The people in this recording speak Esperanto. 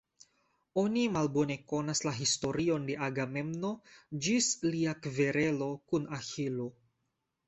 Oni malbone konas la historion de Agamemno ĝis lia kverelo kun Aĥilo.